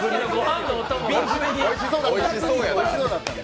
おいしそうだったんで。